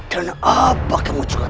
dan apa kamu juga